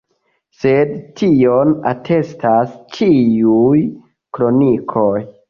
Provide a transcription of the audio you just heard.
Sed tion atestas ĉiuj kronikoj.